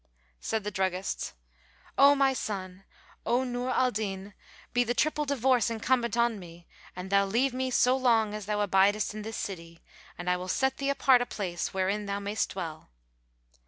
Said the druggist, "O my son, O Nur al Din, be the triple divorce incumbent on me, an thou leave me so long as thou abidest in this city; and I will set thee apart a place wherein thou mayst dwell."